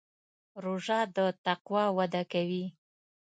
روژه د تقوا وده کوي.